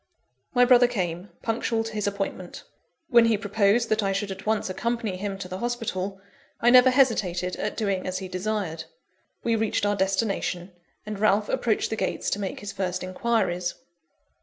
My brother came, punctual to his appointment. When he proposed that I should at once accompany him to the hospital, I never hesitated at doing as he desired. We reached our destination; and Ralph approached the gates to make his first enquiries.